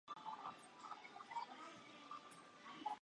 彼女と出会って世界が広がりました